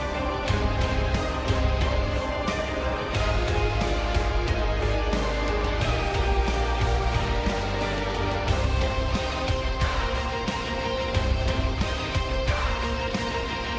สวัสดีครับ